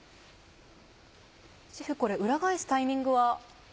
シェフこれ裏返すタイミングはどうでしょう？